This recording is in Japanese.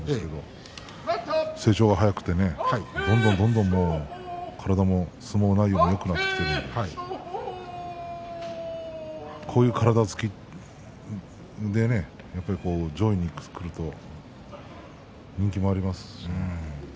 成長が早くてねどんどん体も相撲内容もよくなってきてこういう体つきで上位にくると人気もありますし。